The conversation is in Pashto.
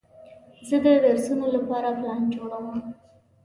زه د درسونو لپاره پلان جوړوم.